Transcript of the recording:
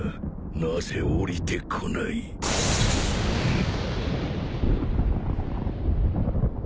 なぜおりてこない？ん！？